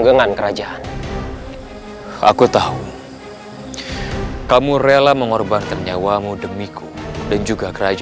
iya kakak tidak sangat dengar